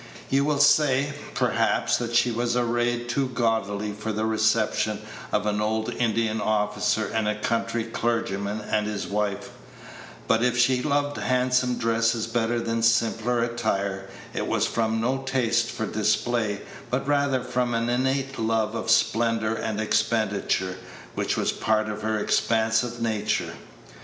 You will say, perhaps, that she was arrayed too gaudily for the reception of an old Indian officer and a country clergyman and his wife; but if she loved handsome dresses better than simpler attire, it was from no taste for display, but rather from an innate love of splendor and expenditure, which was a part of her expansive nature.